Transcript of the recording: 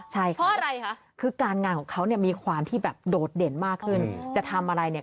เพราะอะไรคะคือการงานของเขาเนี่ยมีความที่แบบโดดเด่นมากขึ้นจะทำอะไรเนี่ย